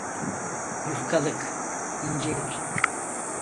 Yufkalık, incelik.